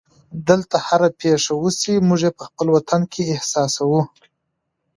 دلته هره پېښه وشي موږ یې په خپل وطن کې احساسوو.